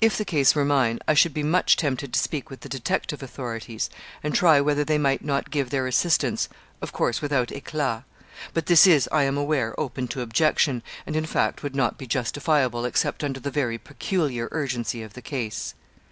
If the case were mine I should be much tempted to speak with the detective authorities, and try whether they might not give their assistance, of course without éclat. But this is, I am aware, open to objection, and, in fact, would not be justifiable, except under the very peculiar urgency of the case.